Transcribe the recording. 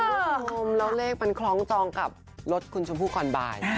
คุณผู้ชมมต่อเลขมันคร้องจองกับลดคุณชมผู้คนบาย